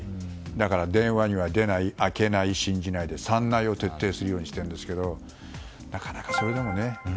だから電話には出ない開けない、信じないで３ないを徹底するようにしているんですがなかなかそれでもね。